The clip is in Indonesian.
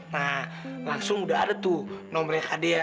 nah langsung udah ada tuh nomernya kak dea